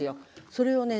それをね